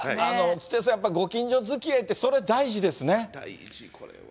土屋さん、やっぱりご近所づきあいって、それ大事ですね。